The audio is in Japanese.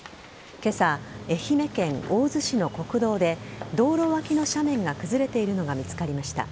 今朝、愛媛県大洲市の国道で道路脇の斜面が崩れているのが見つかりました。